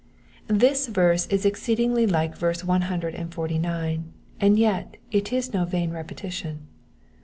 This verse is exceedingly like verse one hundred and forty nine, and yet it is no vain repetition.